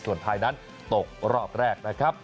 ส่วนไทยนั้นตกรอบแรกนะครับ